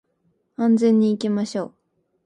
安全に行きましょう